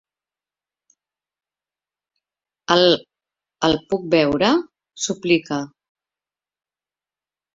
El, el puc veure? —suplica—.